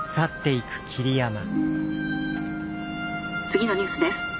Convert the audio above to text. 「次のニュースです。